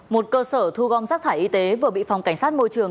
một cơ sở thu gom rác thải y tế vừa bị phòng cảnh sát môi trường